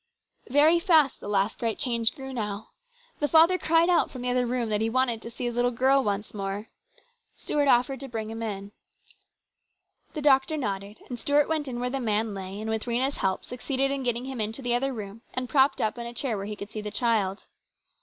Very fast the last great change grew now. The father cried out from the other room that he wanted to see his little girl once more. Stuart offered to bring him in. The doctor nodded, and Stuart went in where the man lay, and with Rhena's help succeeded in getting him into the other room and propped up in a chair where he could see the child.